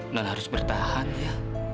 non harus bertahan ya